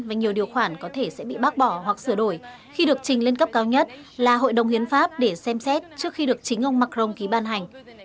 và nhiều điều khoản có thể sẽ bị bác bỏ hoặc sửa đổi khi được trình lên cấp cao nhất là hội đồng hiến pháp để xem xét trước khi được chính ông macron ký ban hành